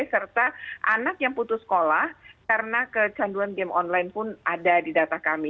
serta anak yang putus sekolah karena kecanduan game online pun ada di data kami